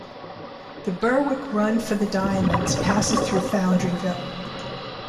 The Berwick Run for the Diamonds passes through Foundryville.